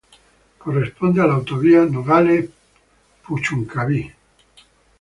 Corresponde a la Autovía Nogales-Puchuncaví.